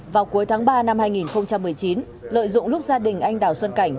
vào cuối tháng ba năm hai nghìn một mươi chín lợi dụng lúc gia đình anh đào xuân cảnh